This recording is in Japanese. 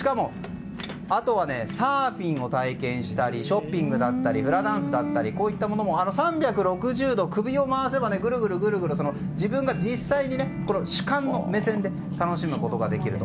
あとはサーフィンを体験したりショッピングだったりフラダンスだったりこういったものも３６０度首を回せばぐるぐると自分の主観の映像で楽しむことができると。